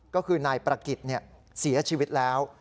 ก็คือนายประกิจเสียชีวิตแล้ว